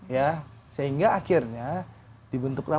ya sehingga akhirnya dibentuklah